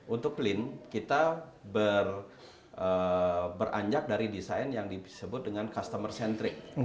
untuk clean kita beranjak dari desain yang disebut dengan customer centric